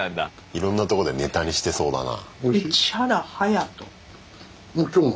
いろんなとこでネタにしてそうだな。